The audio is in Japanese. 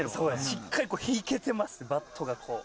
しっかり引けてますバットがこう。